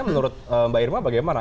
menurut mbak irma bagaimana